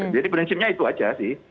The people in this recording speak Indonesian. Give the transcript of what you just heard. jadi prinsipnya itu aja sih